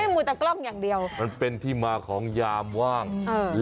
มูแต่กล้องอย่างเดียวมันเป็นที่มาของยามว่าง